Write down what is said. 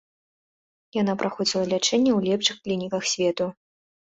Яна праходзіла лячэнне ў лепшых клініках свету.